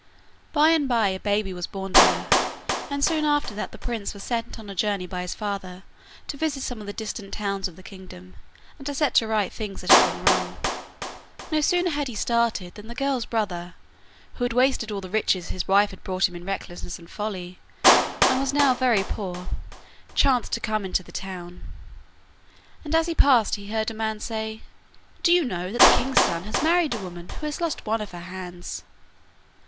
By and bye a baby was born to her, and soon after that the prince was sent on a journey by his father to visit some of the distant towns of the kingdom, and to set right things that had gone wrong. No sooner had he started than the girl's brother, who had wasted all the riches his wife had brought him in recklessness and folly, and was now very poor, chanced to come into the town, and as he passed he heard a man say, 'Do you know that the king's son has married a woman who has lost one of her hands?